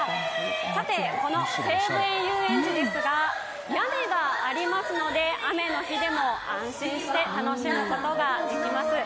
さて、この西武園ゆうえんちですが屋根がありますので雨の日でも安心して楽しむことができます。